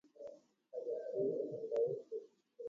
Ha jasy ohasávo ipoty